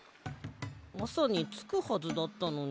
あさにつくはずだったのに。